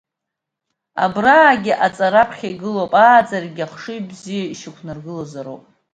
Абраагьы аҵара аԥхьа игылоуп, ааӡарагьы ахшыҩ бзиа ишьақәнаргылозароуп.